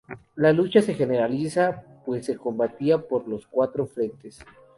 La lucha se generaliza, pues se combatía por los cuatro frentes.